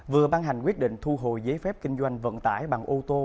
vừa ban hành quyết định thu hồi giấy phép kinh doanh vận tải bằng ô tô